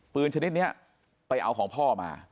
ปืนชนิดเนี่ยไปเอาของพ่อมา